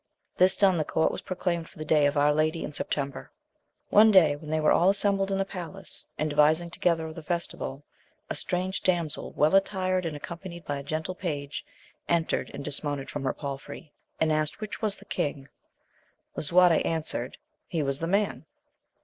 This done, the court was pro claimed for the day of our Lady in September. One day when they were all assembled in the palace, and devising together of the festival, a strange damsel, well attired and accompanied by a gentle page, entered, and dismounted from her palfrey, and asked which was the king. Lisuarte answered, he was the man.